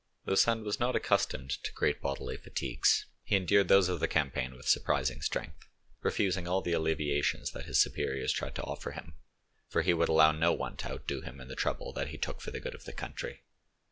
Though Sand was not accustomed to great bodily fatigues, he endured those of the campaign with surprising strength, refusing all the alleviations that his superiors tried to offer him; for he would allow no one to outdo him in the trouble that he took for the good of the country.